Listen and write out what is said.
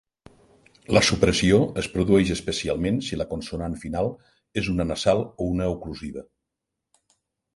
La supressió es produeix especialment si la consonant final és una nasal o una oclusiva.